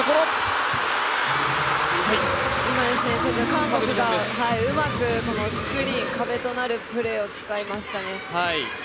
韓国がうまくスクリーン壁となるプレーを使いましたね。